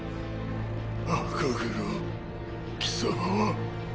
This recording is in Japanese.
赤黒貴様は！？